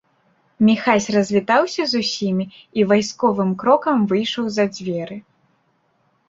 Міхась развітаўся з усімі і вайсковым крокам выйшаў за дзверы.